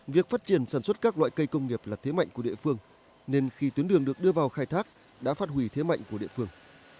việc phát triển sản xuất các loại cây công nghiệp là thế mạnh của địa phương nên khi tuyến đường được đưa vào khai thác đã phát hủy thế mạnh của địa phương